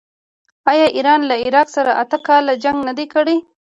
آیا ایران له عراق سره اته کاله جنګ نه دی کړی؟